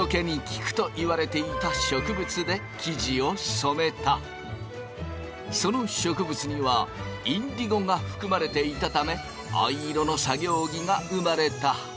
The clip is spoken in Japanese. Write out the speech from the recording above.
そこでその植物にはインディゴが含まれていたため藍色の作業着が生まれた。